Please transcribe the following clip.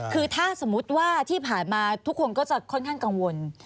คือถ้าสมมุติว่าที่ผ่านมาทุกคนก็จะค่อนข้างกังวล